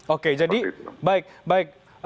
oke jadi baik